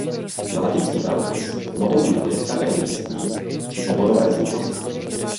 Na latinský pravopis mohou mít vliv také místní či oborové zvyklosti.